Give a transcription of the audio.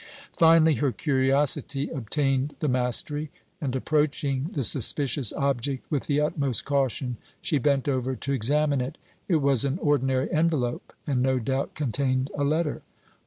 Finally her curiosity obtained the mastery, and, approaching the suspicious object with the utmost caution, she bent over to examine it. It was an ordinary envelope and, no doubt, contained a letter.